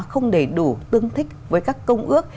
không đầy đủ tương thích với các công ước